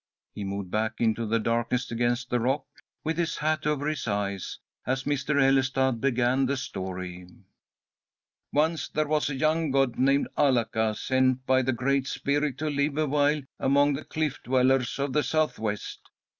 He moved back into the darkness against the rock, with his hat over his eyes, as Mr. Ellestad began the story: "Once there was a young god named Alaka sent by the Great Spirit to live awhile among the cliff dwellers of the Southwest.